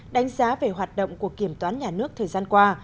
đánh giá về hoạt động của kiểm toán nhà nước thời gian qua